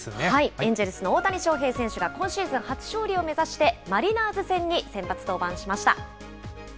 エンジェルスの大谷翔平選手が、今シーズン初勝利を目指して、マリナーズ戦に先発登板しました。